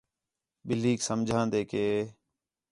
ٻلھینک سمجھان٘دے کہ